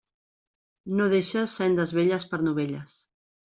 No deixes sendes velles per novelles.